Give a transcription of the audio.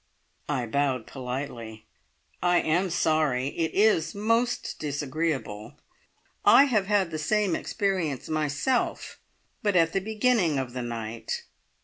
I bowed politely. "I am sorry. It is most disagreeable. I have had the same experience myself, but at the beginning of the night."